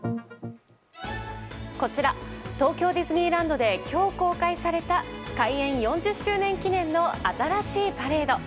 こちら東京ディズニーランドで今日公開された開園４０周年記念の新しいパレード。